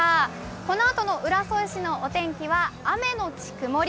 このあとの浦添市のお天気は雨のち曇り。